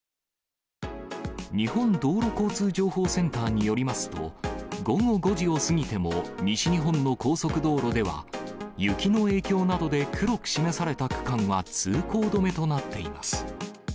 日本道路交通情報センターによりますと、午後５時を過ぎても、西日本の高速道路では、雪の影響などで黒く示された区間は通行止めとなっています。